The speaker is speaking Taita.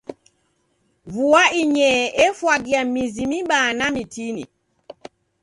Vua inyee efwagia mizi mibaa na mitini.